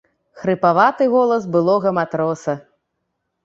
Хрыпаваты голас былога матроса.